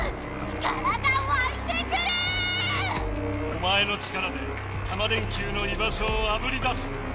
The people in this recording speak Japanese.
お前の力でタマ電Ｑのい場しょをあぶり出す。